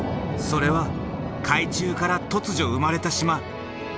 それは海中から突如生まれた島。